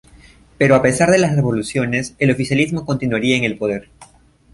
Pero a pesar de las revoluciones, el oficialismo continuaría en el poder.